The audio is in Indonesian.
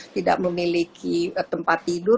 tidak memiliki tempat tidur